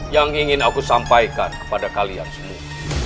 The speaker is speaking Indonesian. yang ingin aku sampaikan kepada kalian semua